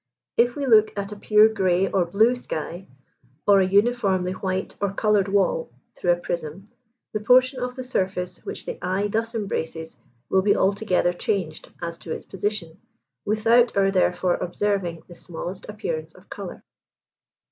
If we look at a pure grey or blue sky or a uniformly white or coloured wall through a prism, the portion of the surface which the eye thus embraces will be altogether changed as to its position, without our therefore observing the smallest appearance of colour.